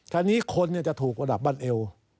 ทีนี้คนเนี่ยจะถูกประดับบรรเอว